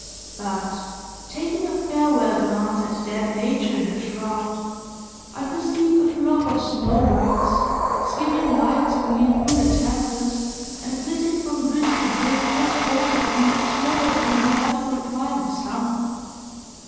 But, taking a farewell glance at dead Nature in her shroud, I perceive a flock of snow birds, skimming lightsomely through the tempest, and flitting from drift to drift, as sportively as swallows in the delightful prime of summer.